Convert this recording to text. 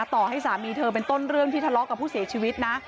ต่อให้สามีเธอเป็นต้นเรื่องที่ทะเลาะกับผู้เสียชีวิตนะ